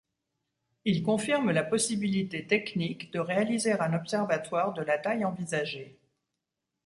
Il confirme la possibilité technique de réaliser un observatoire de la taille envisagée.